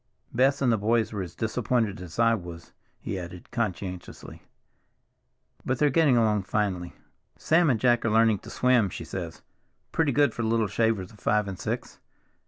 Bess and the boys were as disappointed as I was," he added conscientiously. "But they're getting along finely. Sam and Jack are learning to swim, she says—pretty good for little shavers of five and six!